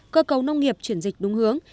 cơ cấu nông nghiệp chuyển dịch đúng hướng